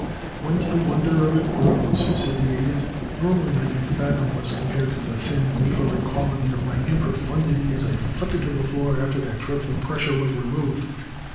"Whence the wonder of it grows," said the Idiot. "Normally I am fathomless compared to the thin, waferlike quality of my improfundity as I flickered to the floor after that dreadful pressure was removed."